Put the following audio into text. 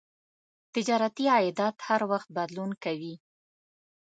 تجارتي عایدات هر وخت بدلون کوي.